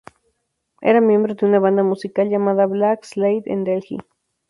Era miembro de una banda musical llamada Black Slade en Delhi.